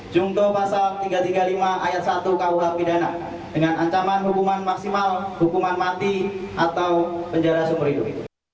jungto pasal tiga ratus tiga puluh lima ayat satu kuh pidana dengan ancaman hukuman maksimal hukuman mati atau penjara seumur hidup